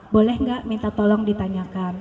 boleh nggak minta tolong ditanyakan